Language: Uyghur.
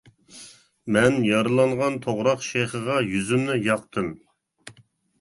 مەن يارىلانغان توغراق شېخىغا يۈزۈمنى ياقتىم.